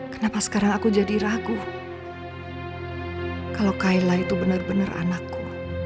kenapa sekarang aku jadi ragu kalau kailah itu bener bener anakku